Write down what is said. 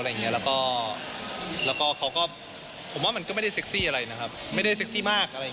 แล้วก็ผมว่ามันก็ไม่ได้เซ็กซี่อะไรนะครับไม่ได้เซ็กซี่มาก